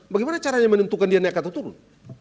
bagaimana caranya menentukan dia naik atau turun